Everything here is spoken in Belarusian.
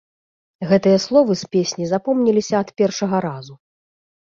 Гэтыя словы з песні запомніліся ад першага разу.